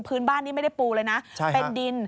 พื้นบ้านนี้ไม่ได้ปูเลยนะเป็นดิน